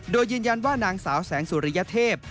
โดยยืนยันว่านางสาวแสงสุริยเทพ